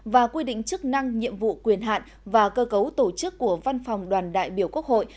và quy định chức năng nhiệm vụ quyền hạn và cơ cấu tổ chức của văn phòng đoàn đại biểu quốc hội